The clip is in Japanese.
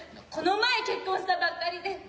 この前結婚したばっかりで。